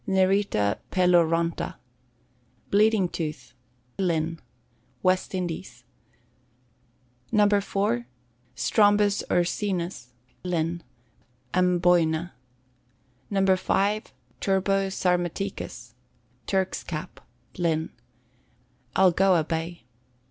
Nerita Peloronta. Bleeding Tooth. Linn. West Indies. No. 4. Strombus Urceus. Linn. Amboina. No. 5. Turbo Sarmaticus. Turk's Cap. Linn. Algoa Bay.